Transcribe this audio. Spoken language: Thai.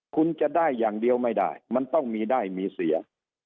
คุณจะได้อย่างเดียวไม่ได้มันต้องมีได้มีเสีย